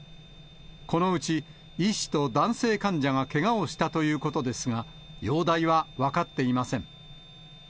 このうち医師と男性患者がけがをしたということですが、容体は分かっていません。